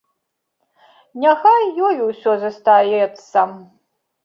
Няхай ёй усё застаецца.